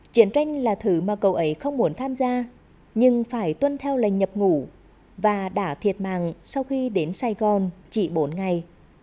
chiến tranh là thứ mà cậu ấy không muốn tham gia nhưng phải tuân theo lệnh nhập ngủ và đã thiệt mạng sau khi đến sài gòn chỉ bốn ngày